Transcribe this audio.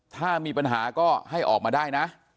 ถ้ามีปัญหาก็ให้ออกมาได้นะ